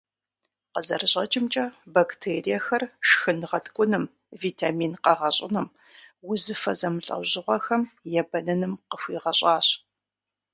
Къызэрыщӏэкӏымкӏэ, бактериехэр шхын гъэткӏуным, витамин къэгъэщӏыным, узыфэ зэмылӏэужьыгъуэхэм ебэныным къыхуигъэщӏащ.